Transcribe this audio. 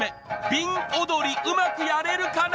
瓶踊りうまくやれるかな？